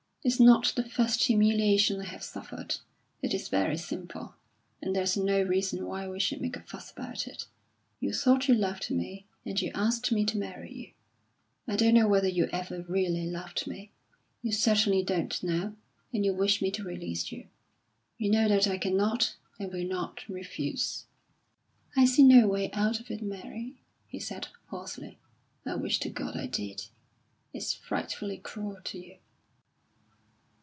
It's not the first humiliation I have suffered. It is very simple, and there's no reason why we should make a fuss about it. You thought you loved me, and you asked me to marry you. I don't know whether you ever really loved me; you certainly don't now, and you wish me to release you. You know that I cannot and will not refuse." "I see no way out of it, Mary," he said, hoarsely. "I wish to God I did! It's frightfully cruel to you."